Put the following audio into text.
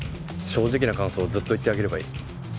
正直な感想をずっと言ってあげればいい。